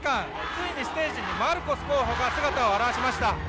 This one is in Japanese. ついにステージにマルコス候補が姿を現しました。